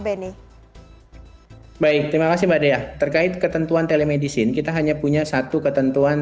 benny baik terima kasih mbak dea terkait ketentuan telemedicine kita hanya punya satu ketentuan